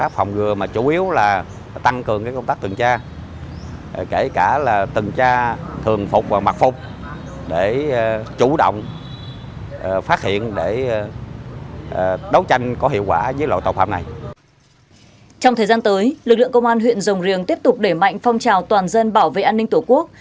trong thời gian tới lực lượng công an huyện rồng riềng tiếp tục để mạnh phong trào toàn dân bảo vệ an ninh tổ quốc